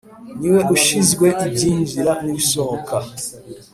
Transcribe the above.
Niwe ushizwe ibyinjira nibisohoka